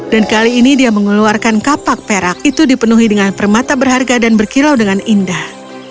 dan kali ini dia mengeluarkan kapak perak itu dipenuhi dengan permata berharga dan berkilau dengan indah